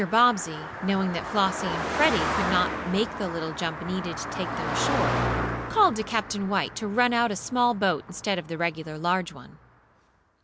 Bobbsey, knowing that Flossie and Freddie could not make the little jump needed to take them ashore, called to Captain White to run out a small board instead of the regular large one.